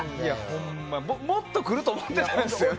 ほんま、もっと来ると思ってたんですよね。